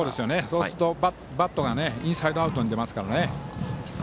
そうするとバットがインサイドアウトに出ますからね。